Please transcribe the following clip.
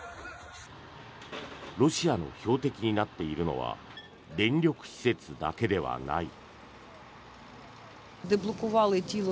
ロシアの標的になっているのは電力施設だけではない。